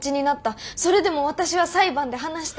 それでも私は裁判で話したい。